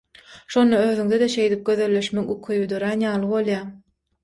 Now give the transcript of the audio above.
Şonda özüňde-de şeýdip gözelleşmek ukyby dörän ýaly bolýar.